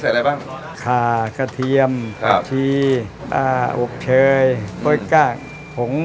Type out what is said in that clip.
อะไรบ้างขากระเทียมผักชีอ่าอบเชยกล้วยก้าผง